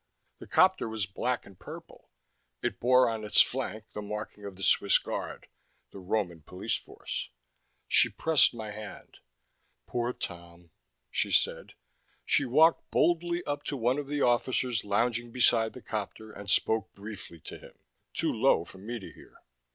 The copter was black and purple; it bore on its flank the marking of the Swiss Guard, the Roman police force. She pressed my hand. "Poor Tom," she said. She walked boldly up to one of the officers lounging beside the copter and spoke briefly to him, too low for me to hear.